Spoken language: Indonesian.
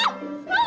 masih dulu dong